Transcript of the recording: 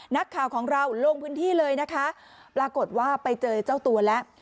นักข่าวของเราลงพื้นที่เลยนะคะปรากฏว่าไปเจอเจ้าตัวแล้ว